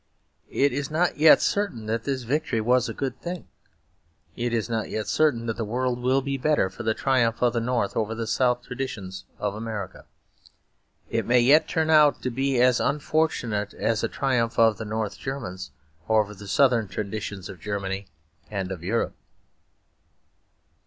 It is not yet certain that this victory was a good thing. It is not yet certain that the world will be better for the triumph of the North over the Southern traditions of America. It may yet turn out to be as unfortunate as a triumph of the North Germans over the Southern traditions of Germany and of Europe.